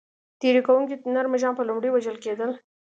تېري کوونکي نر مږان به لومړی وژل کېدل.